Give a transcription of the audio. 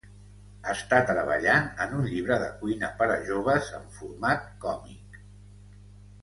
Està treballant en un llibre de cuina per a joves en format còmic.